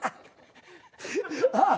ああ。